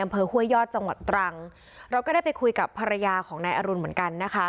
ห้วยยอดจังหวัดตรังเราก็ได้ไปคุยกับภรรยาของนายอรุณเหมือนกันนะคะ